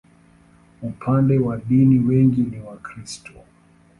Upande wa dini, wengi ni Wakristo.